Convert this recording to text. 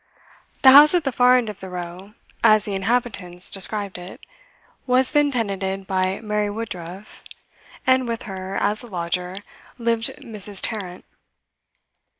The house at the far end of the row (as the inhabitants described it) was then tenanted by Mary Woodruff, and with her, as a lodger, lived Mrs. Tarrant.